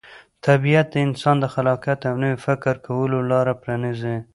طبیعت د انسان د خلاقیت او نوي فکر کولو لاره پرانیزي.